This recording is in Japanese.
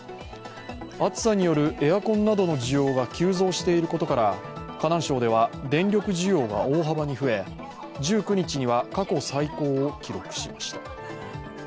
暑さによるエアコンなどの需要が急増していることから河南省では電力需給が大幅に増え、１９日には過去最高を記録しました。